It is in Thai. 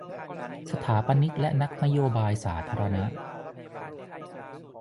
สถาปนิกและนักนโยบายสาธารณะ